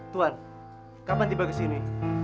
tuan kapan tiba ke sini